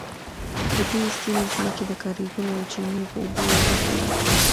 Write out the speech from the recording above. د دې سیمې ځمکې د کاریزونو او چینو په اوبو اوبه کیږي.